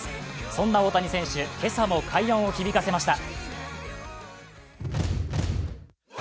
そんな大谷選手、今朝も快音を響かせました。